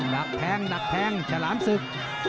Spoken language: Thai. ดักแทงดักแทงฉลามศึก